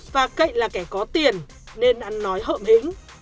và cậy là kẻ có tiền nên ăn nói hợm hính